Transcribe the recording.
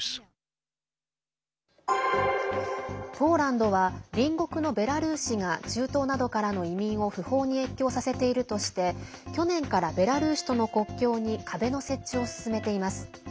ポーランドは隣国のベラルーシが中東などからの移民を不法に越境させているとして去年からベラルーシとの国境に壁の設置を進めています。